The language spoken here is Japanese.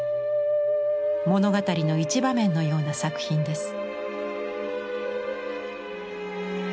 物語の一場面のような作品です。